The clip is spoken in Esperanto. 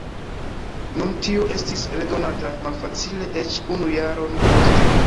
Nun tio estis redonata malfacile, eĉ unu jaron poste.